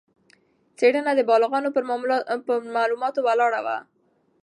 څېړنه د بالغانو پر معلوماتو ولاړه وه.